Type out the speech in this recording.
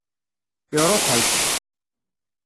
Iṛuḥ-ak.